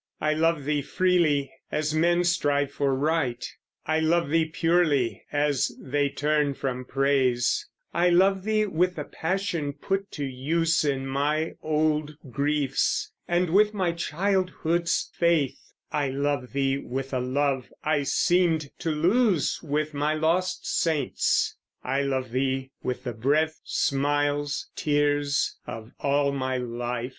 I love thee freely, as men strive for Right; I love thee purely, as they turn from Praise; I love thee with the passion put to use In my old griefs, and with my childhood's faith; I love thee with a love I seemed to lose With my lost saints I love thee with the breath, Smiles, tears, of all my life!